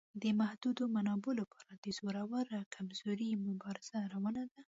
د محدودو منابعو لپاره د زورور او کمزوري مبارزه روانه ده.